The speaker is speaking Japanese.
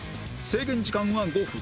制限時間は５分